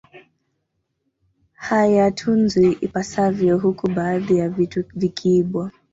Hayatunzwi ipasavyo huku baadhi ya vitu vikiibwa